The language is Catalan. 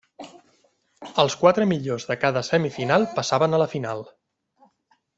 Els quatre millors de cada semifinal passaven a la final.